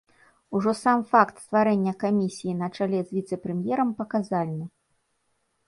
Ужо сам факт стварэння камісіі на чале з віцэ-прэм'ерам паказальны.